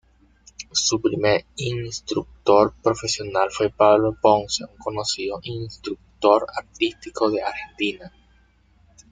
Su primer instructor profesional fue Pablo Ponce, un conocido instructor artístico de Argentina.